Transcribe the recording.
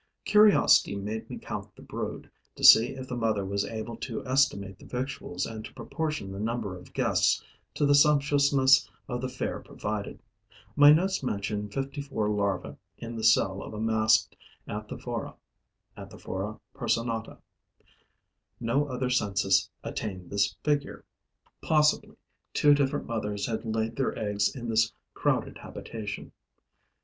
Curiosity made me count the brood, to see if the mother was able to estimate the victuals and to proportion the number of guests to the sumptuousness of the fare provided. My notes mention fifty four larvae in the cell of a masked Anthophora (Anthophora personata). No other census attained this figure. Possibly, two different mothers had laid their eggs in this crowded habitation.